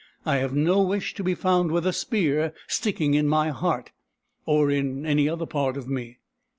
I have no wish to be found with a spear sticking in my heart, or in any other part of me."